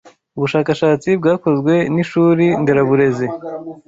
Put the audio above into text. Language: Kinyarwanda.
ubushakashatsi bwakozwe n’ishuri nderabarezi